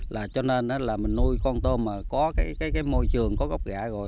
là cho nên đó là mình nuôi con tôm mà có cái môi trường có gốc gạ rồi